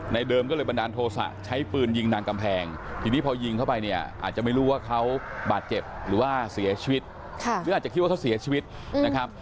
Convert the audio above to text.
น่าจะคิดว่าเสียชีวิตนะครับ